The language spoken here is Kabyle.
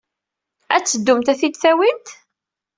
Ad teddumt ad t-id-tawyemt.